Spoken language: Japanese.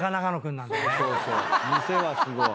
店はすごい。